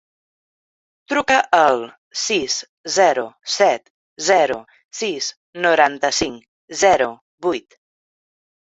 Truca al sis, zero, set, zero, sis, noranta-cinc, zero, vuit.